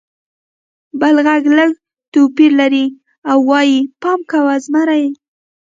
بل غږ لږ توپیر لري او وایي: «پام کوه! زمری!»